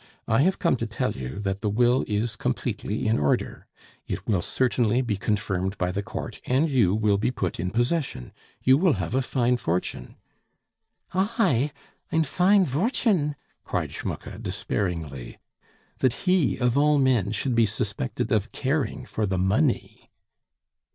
"I have come to tell you that the will is completely in order; it will certainly be confirmed by the court, and you will be put in possession. You will have a fine fortune." "I? Ein fein vordune?" cried Schmucke, despairingly. That he of all men should be suspected of caring for the money!